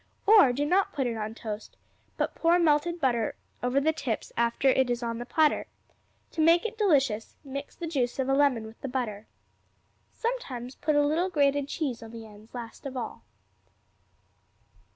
Or do not put it on toast, but pour melted butter over the tips after it is on the platter. To make it delicious, mix the juice of a lemon with the butter. Sometimes put a little grated cheese on the ends last of all.